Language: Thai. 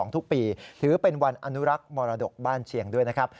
ทุกปีถือเป็นวันอนุรักษ์มรดกบ้านเชียงด้วยนะครับ